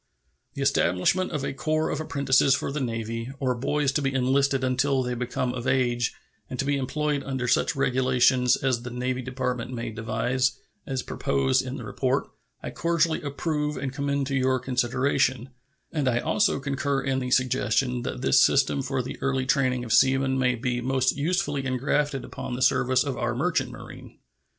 The establishment of a corps of apprentices for the Navy, or boys to be enlisted until they become of age, and to be employed under such regulations as the Navy Department may devise, as proposed in the report, I cordially approve and commend to your consideration; and I also concur in the suggestion that this system for the early training of seamen may be most usefully ingrafted upon the service of our merchant marine.